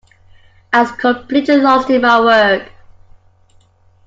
I was completely lost in my work.